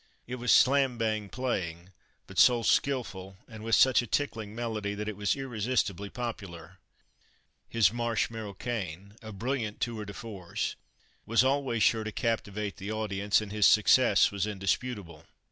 It was slam bang playing, but so skilful, and with such a tickling melody, that it was irresistibly popular. His "Marche Marocaine," a brilliant tour de force, was always sure to captivate the audience; and his success was indisputable.